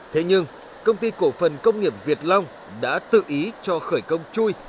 thế nhưng công ty cổ phần công nghiệp việt long đã tự ý cho khởi công chui